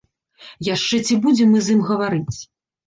Яшчэ ці будзем мы з ім гаварыць.